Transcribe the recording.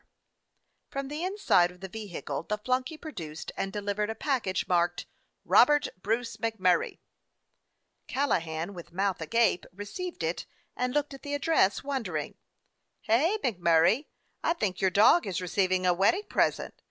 275 DOG HEROES OF MANY LANDS From the inside of the vehicle the flunky pro duced and delivered a package marked: "Robert Bruce MacMurray." Callahan, with mouth agape, received it and looked at the address, wondering. "Hey, MacMurray, I think your dog is receiving a wedding present.